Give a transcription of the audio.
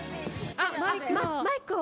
あっマイクを。